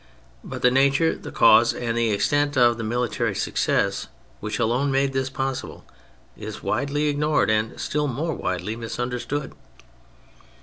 But the nature, the cause and the extent of the military success which alone made this possible, is widely ignored and still more widely misunderstood.